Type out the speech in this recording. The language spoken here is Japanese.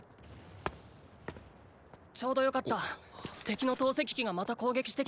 ちょうどよかった敵の投石機がまた攻撃してきて。